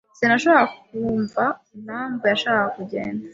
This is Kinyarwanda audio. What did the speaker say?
Sinashoboraga kumva impamvu yashakaga kugenda.